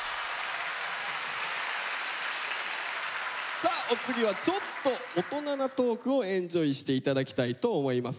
さあお次はちょっと大人なトークをエンジョイして頂きたいと思います。